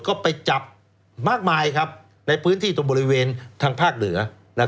ก็ไปจับมากมายในพื้นที่ตรงบริเวณทางภาคเหนือ